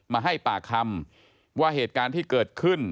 มาให้ปากคำว่าเหตุการณ์ที่เกิดขึ้น